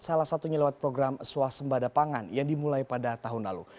salah satunya lewat program swasembada pangan yang dimulai pada tahun lalu